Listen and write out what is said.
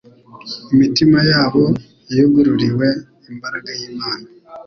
imitima yabo yugururiwe imbaraga y'Imana,